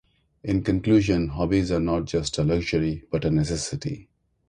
In conclusion, hobbies are not just a luxury, but a necessity.